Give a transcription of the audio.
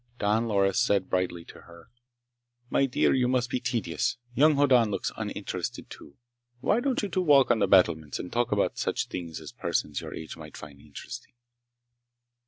Don Loris said brightly, to her: "My dear we must be tedious! Young Hoddan looks uninterested, too. Why don't you two walk on the battlements and talk about such things as persons your age find interesting?"